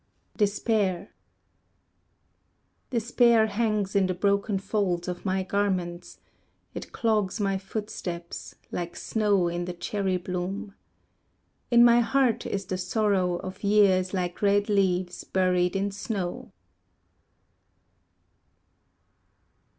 Despair Despair hangs in the broken folds of my garments; It clogs my footsteps, Like snow in the cherry bloom. In my heart is the sorrow Of years like red leaves buried in snow.